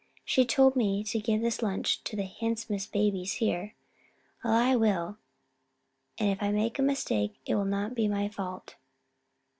She told me to give this lunch to the handsomest babies here. Well, I will, and if I make a mistake it will not be my fault.